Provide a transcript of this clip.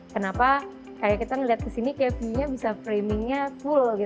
kenapa kayak kita ngeliat kesini kayak v nya bisa framingnya full gitu